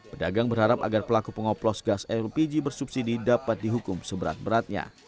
pedagang berharap agar pelaku pengoplos gas lpg bersubsidi dapat dihukum seberat beratnya